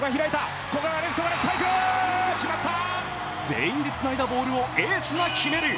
全員でつないだボールをエースが決める。